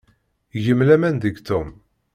Gem laman deg Tom.